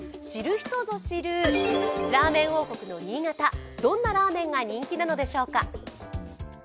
知る人ぞ知る、ラーメン王国の新潟どんなラーメンが人気なのでしょうか。